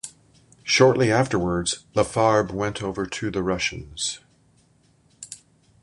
Shortly afterwards, LeFarbe went over to the Russians.